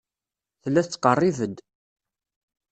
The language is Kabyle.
Tella tettqerrib-d.